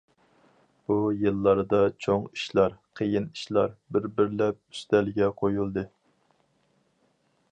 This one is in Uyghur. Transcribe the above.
بۇ يىللاردا چوڭ ئىشلار، قىيىن ئىشلار بىر- بىرلەپ ئۈستەلگە قويۇلدى.